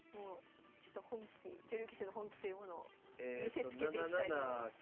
ちょっと本気女流棋士の本気というものを見せつけていきたいと思います。